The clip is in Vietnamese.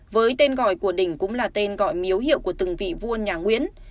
với tên gọi của đỉnh cũng là tên gọi miếu hiệu của từng vị vua nhà nguyễn